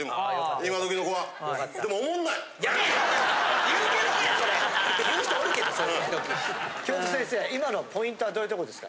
今のはポイントはどういうとこですか？